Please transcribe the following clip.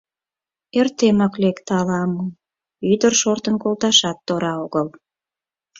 — Ӧртемак лекте ала-мо... — ӱдыр шортын колташат тора огыл.